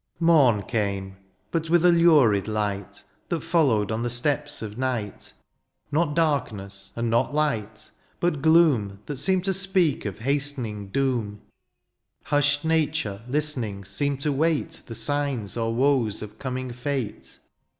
XL Mom came^ but with a lurid light That followed on the steps of nighty Not darkness and not lights — ^but gloom That seemed to speak of hastening doom. Hushed nature^ listenings seemed to wait The signs or woes of coming fate.